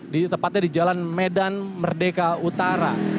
di tepatnya di jalan medan merdeka utara